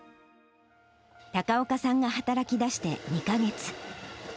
高岡さんが働きだして２か月。